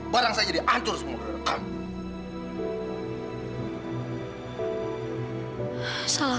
barang saya jadi hancur semua rekam